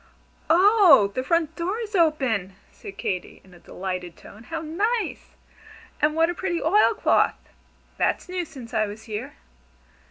"Oh, the front door is open!" said Katy, in a delighted tone. "How nice! And what a pretty oil cloth. That's new since I was here."